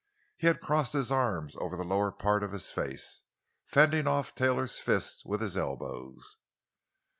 He had crossed his arms over the lower part of his face, fending off Taylor's fists with his elbows.